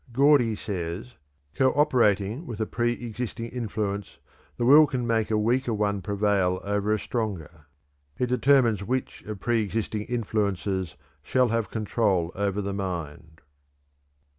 Gordy says: "Coöperating with a pre existing influence, the will can make a weaker one prevail over a stronger. It determines which of pre existing influences shall have control over the mind."